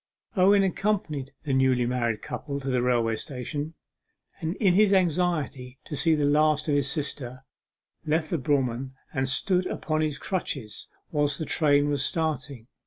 Owen accompanied the newly married couple to the railway station, and in his anxiety to see the last of his sister, left the brougham and stood upon his crutches whilst the train was starting.